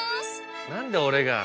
何で俺が？